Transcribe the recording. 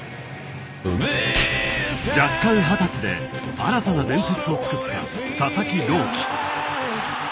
弱冠二十歳で新たな伝説を作った佐々木朗希。